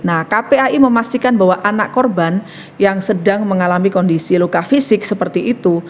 nah kpai memastikan bahwa anak korban yang sedang mengalami kondisi luka fisik seperti itu